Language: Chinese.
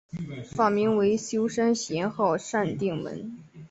法名为休山贤好禅定门。